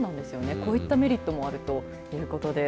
こういったメリットもあるということです。